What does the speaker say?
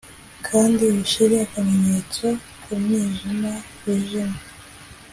kandi ushire akamenyetso k'umwijima wijimye